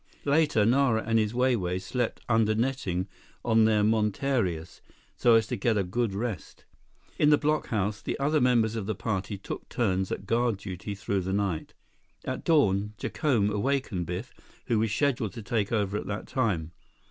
Later Nara and his Wai Wais slept under netting on their monterias, so as to get a good rest. In the blockhouse, the other members of the party took turns at guard duty through the night. At dawn, Jacome awakened Biff, who was scheduled to take over at that time.